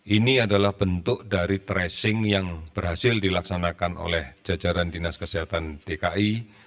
ini adalah bentuk dari tracing yang berhasil dilaksanakan oleh jajaran dinas kesehatan dki